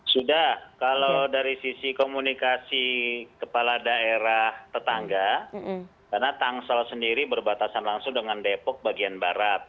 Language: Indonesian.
sudah kalau dari sisi komunikasi kepala daerah tetangga karena tangsel sendiri berbatasan langsung dengan depok bagian barat